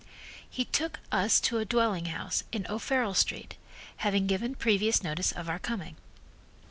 He took us to a dwelling house in O'Farrell street, having given previous notice of our coming.